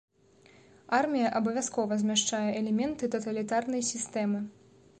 Армія абавязкова змяшчае элементы таталітарнай сістэмы.